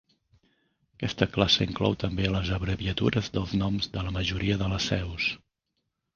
Aquesta classe inclou també les abreviatures dels noms de la majoria de les seus.